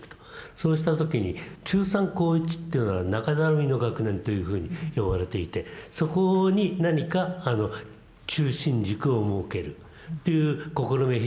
そうした時に中３・高１っていうのは中だるみの学年というふうに呼ばれていてそこに何か中心軸を設けるという試みは非常に重要だと思うんですね。